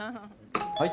はい